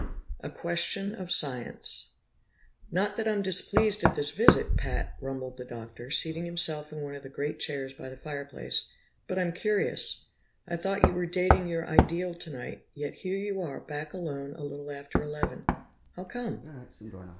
6 A Question of Science "Not that I'm displeased at this visit, Pat," rumbled the Doctor, seating himself in one of the great chairs by the fireplace, "but I'm curious. I thought you were dating your ideal tonight, yet here you are, back alone a little after eleven. How come?"